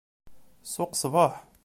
Ssuq ṣṣbeḥ.